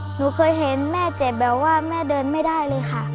หนูเคยเห็นแม่เจ็บแบบว่าแม่เดินไม่ได้เลยค่ะ